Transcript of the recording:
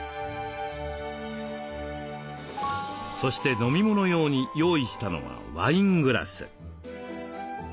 そして飲み物用に用意したのはワイングラス。